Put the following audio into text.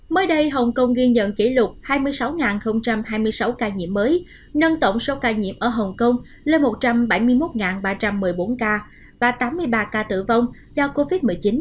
mới đây hồng kông ghi nhận kỷ lục hai mươi sáu hai mươi sáu ca nhiễm mới nâng tổng số ca nhiễm ở hồng kông lên một trăm bảy mươi một ba trăm một mươi bốn ca và tám mươi ba ca tử vong do covid một mươi chín